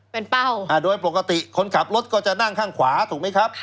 เป็นเป้าโดยปกติคนขับรถก็จะนั่งข้างขวาถูกไหมครับ